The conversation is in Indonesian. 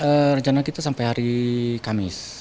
ya rencana kita sampai hari kamis